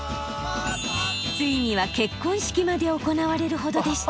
ついには結婚式まで行われるほどでした。